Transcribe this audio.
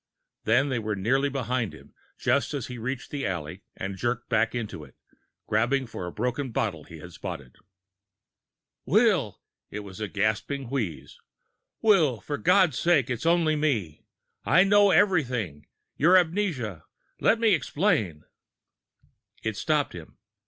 Then they were nearly behind him, just as he reached the alley and jerked back into it, grabbing for a broken bottle he had spotted. "Will!" It was a gasping wheeze. "Will! For God's sake, it's only me. I know everything your amnesia. But let me explain!" It stopped him.